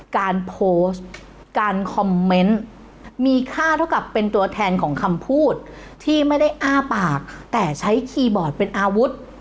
การโพสต์การคอมเมนต์มีค่าเท่ากับเป็นตัวแทนของคำพูดที่ไม่ได้อ้าปากแต่ใช้คีย์บอร์ดเป็นอาวุธ